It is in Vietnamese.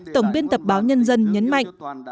tổng biên tập báo nhân dân nhấn mạnh